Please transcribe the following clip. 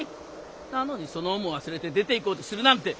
なのにその恩も忘れて出て行こうとするなんて！